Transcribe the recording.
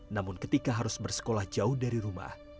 namun ketika harus bersekolah jauh dari rumah